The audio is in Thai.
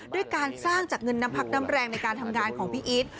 ด้วยการสร้างจากเงินน้ำพักน้ำแรงในการทำงานของพี่อีท